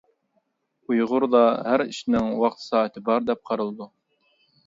ئۇيغۇردا ھەر ئىشنىڭ ۋاقتى سائىتى بار دەپ قارىلىدۇ.